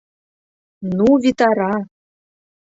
Ну, витара!